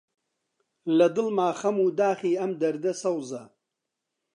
لە دڵما خەم و داخی ئەم دەردە سەوزە: